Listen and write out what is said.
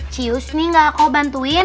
cius nih gak kau bantuin